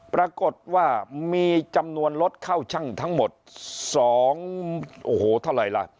ปรากฏว่ามีจำนวนรถเข้าชั่งทั้งหมด๒โอ้โหเท่าไหร่ล่ะ